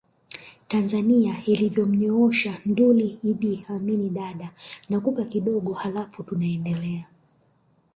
Tanzania ilivyomnyoosha Nduli Iddi Amin Dadaa nakupa kidogo haLafu tunaendelea